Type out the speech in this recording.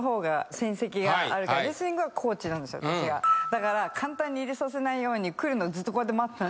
だから簡単に入れさせないように来るのずっとこうやって待ってた。